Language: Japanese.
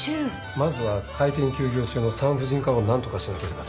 まずは開店休業中の産婦人科をなんとかしなければと。